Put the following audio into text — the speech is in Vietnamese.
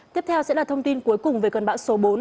tiếp theo sẽ là thông tin cuối cùng về cơn bão số bốn